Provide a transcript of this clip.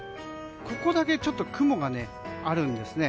ここだけちょっと雲があるんです。